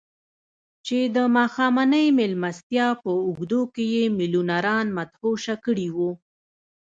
چې د ماښامنۍ مېلمستیا په اوږدو کې يې ميليونران مدهوشه کړي وو.